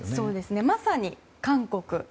まさに韓国。